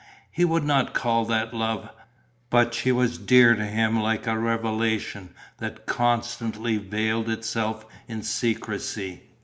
He would not call that love; but she was dear to him like a revelation that constantly veiled itself in secrecy.